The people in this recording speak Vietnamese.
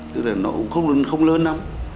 tức là nó cũng không lớn lắm